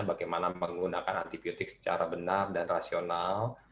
bagaimana menggunakan antibiotik secara benar dan rasional